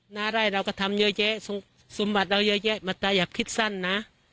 หน้าไร่เราก็ทำเยอะแยะสมบัติเราเยอะแยะมาตาอย่าคิดสั้นนะ